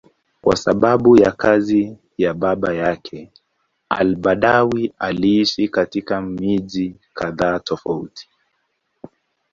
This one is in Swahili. Kwa sababu ya kazi ya baba yake, al-Badawi aliishi katika miji kadhaa tofauti.